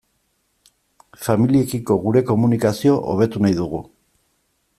Familiekiko gure komunikazio hobetu nahi dugu.